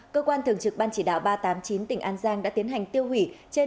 cơ quan thường trực ban chỉ đạo ba trăm tám mươi chín tỉnh an giang đã tiến hành tiêu hủy